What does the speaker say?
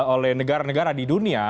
oleh negara negara di dunia